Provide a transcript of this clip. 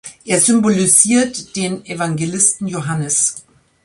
Er symbolisiert den Evangelisten Johannes.